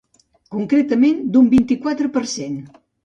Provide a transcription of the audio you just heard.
Concretament, d’un vint-i-quatre per cent.